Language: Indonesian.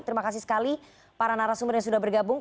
terima kasih sekali para narasumber yang sudah bergabung